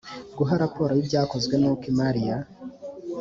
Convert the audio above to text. guha raporo y ibyakozwe n uko imari ya